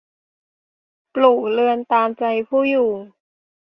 ปลูกเรือนตามใจผู้อยู่